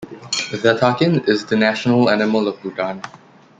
The takin is the national animal of Bhutan.